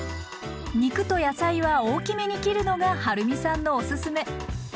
肉と野菜は大きめに切るのがはるみさんのおすすめ。